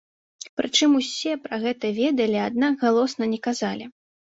Прычым усе пра гэта ведалі, аднак галосна не казалі.